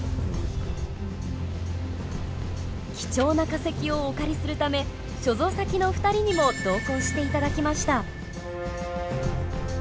貴重な化石をお借りするため所蔵先の２人にも同行して頂きました。